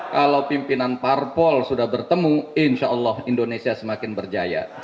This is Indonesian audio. kalau pimpinan parpol sudah bertemu insya allah indonesia semakin berjaya